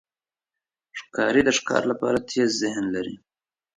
ښکاري د ښکار لپاره تېز ذهن لري.